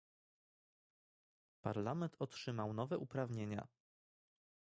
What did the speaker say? Parlament otrzymał nowe uprawnienia